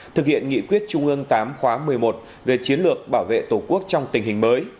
thực hiện nghị quyết trung ương tám khóa một mươi một về chiến lược bảo vệ tổ quốc trong tình hình mới